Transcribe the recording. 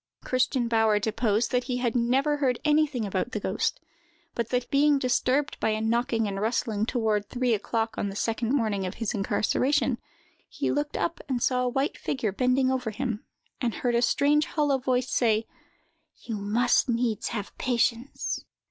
Christian Bauer deposed that he had never heard anything about the ghost, but that, being disturbed by a knocking and rustling toward three o'clock on the second morning of his incarceration, he looked up and saw a white figure bending over him, and heard a strange hollow voice say: "You must needs have patience!"